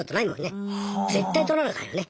絶対取らなあかんよね。